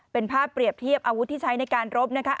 เป็นภาพเปรียบเทียบอาวุธที่ใช้ในการรบนะคะ